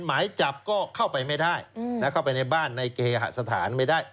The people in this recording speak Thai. ถ้าไม่จับก็เข้าไปไม่ได้แล้วเข้าไปในบ้านในเกษฐานไม่ได้